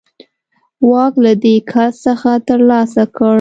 واک له دې کس څخه ترلاسه کړ.